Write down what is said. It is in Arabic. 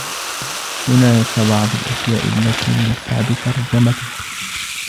هناك بعض الأشياء التى من الصعب ترجمتها.